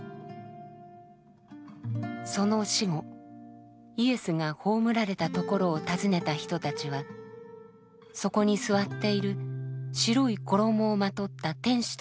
その死後イエスが葬られたところを訪ねた人たちはそこに座っている白い衣をまとった天使と出会います。